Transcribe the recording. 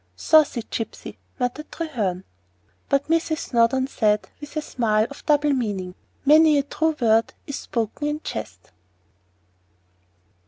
"Saucy gypsy!" muttered Treherne. But Mrs. Snowdon said, with a smile of double meaning, "Many a true word is spoken in jest."